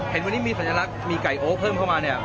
เห็นวันนี้มีสัญลักษณ์มีไก่โอ๊เพิ่มเข้ามาเนี่ย